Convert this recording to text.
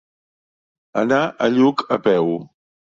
Anar a Lluc a peu.